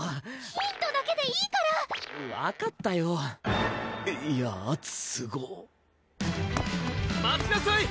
ヒントだけでいいから分かったよいや圧すご待ちなさい！